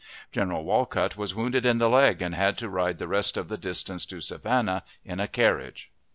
General Walcutt was wounded in the leg, and had to ride the rest of the distance to Savannah in a carriage.